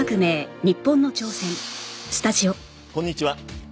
こんにちは。